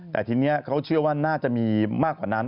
แต่ทีนี้เขาเชื่อว่าน่าจะมีมากกว่านั้น